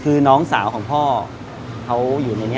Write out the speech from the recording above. คือน้องสาวของพ่อเขาอยู่ในนี้